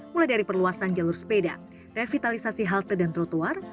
mulai dari perluasan jalur sepeda revitalisasi halte dan trotoar